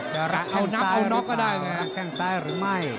จะรับแข้งซ้ายหรือเปล่ารับแข้งซ้ายหรือไม่